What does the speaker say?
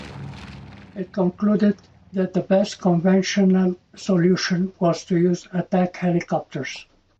It concluded that the best conventional solution was to use attack helicopters.